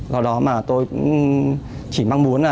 do đó mà tôi chỉ mang muốn là